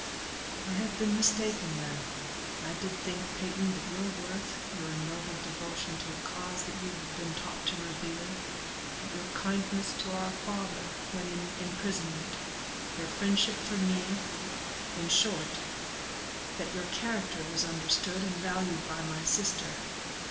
"I have been mistaken, then. I did think, Peyton, that your worth, your noble devotion to a cause that you have been taught to revere, that your kindness to our father when in imprisonment, your friendship for me,—in short, that your character was understood and valued by my sister."